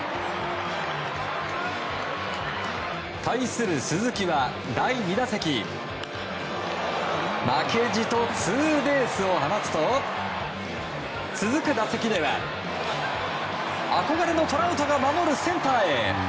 対する鈴木は第２打席負けじとツーベースを放つと続く打席では憧れのトラウトが守るセンターへ。